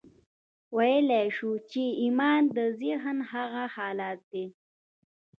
ويلای شو چې ايمان د ذهن هغه حالت دی.